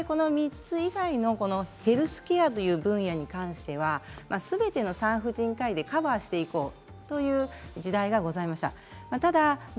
そして３つ以外のヘルスケアという分野に関してはすべての産婦人科でカバーしていこうという時代がございました。